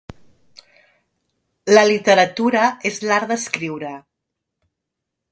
La literatura és l'art d'escriure.